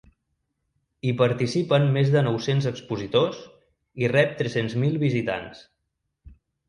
Hi participen més de nou-cents expositors i rep tres-cents mil visitants.